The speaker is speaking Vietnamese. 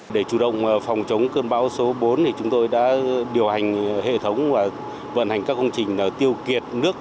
để chủ động phòng chống cơn bão số bốn chúng tôi đã điều hành hệ thống và vận hành các công trình tiêu kiệt nước